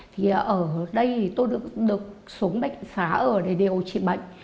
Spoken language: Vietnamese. thì ở đây tôi được xuống bệnh xá để điều trị bệnh